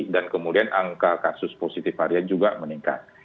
dan kemudian angka kasus positif varian juga meningkat